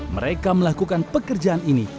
mereka melakukan pekerjaan ini